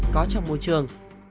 có trong môi trường